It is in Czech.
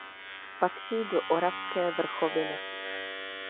Patří do Oravské vrchoviny.